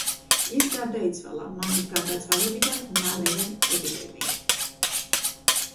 ის გარდაიცვალა მამის გარდაცვალებიდან მალევე ეპიდემიით.